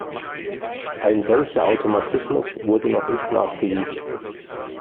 Ein solcher Automatismus wurde noch nicht nachgewiesen.